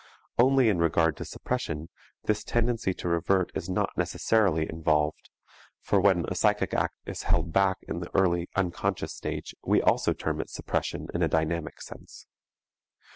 Only in regard to suppression, this tendency to revert is not necessarily involved, for when a psychic act is held back in the early unconscious stage we also term it suppression in a dynamic sense.